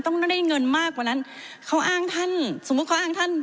ต้องได้เงินมากกว่านั้นเขาอ้างท่านสมมุติเขาอ้างท่าน